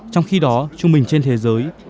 trong khi đó trung bình trên thế giới